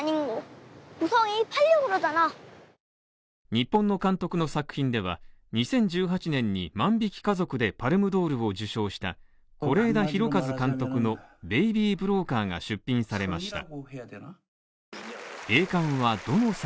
日本の監督の作品では２０１８年に「万引き家族」でパルムドールを受賞した是枝裕和監督の「ベイビー・ブローカー」が出品されました。